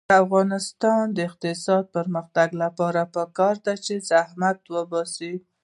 د افغانستان د اقتصادي پرمختګ لپاره پکار ده چې زحمت وباسو.